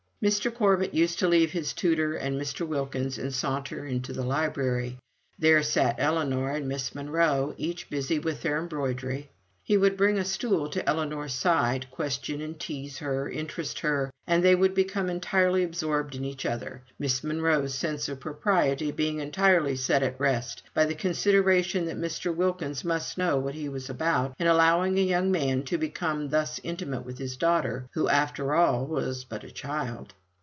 Mr. Corbet used to leave his tutor and Mr. Wilkins and saunter into the library. There sat Ellinor and Miss Monro, each busy with their embroidery. He would bring a stool to Ellinor's side, question and tease her, interest her, and they would become entirely absorbed in each other, Miss Monro's sense of propriety being entirely set at rest by the consideration that Mr. Wilkins must know what he was about in allowing a young man to become thus intimate with his daughter, who, after all, was but a child.